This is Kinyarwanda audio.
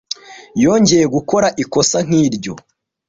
Yongeye gukora ikosa nk'iryo.